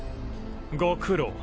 ご苦労。